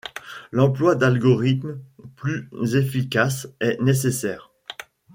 L’emploi d’algorithmes plus efficaces est nécessaire.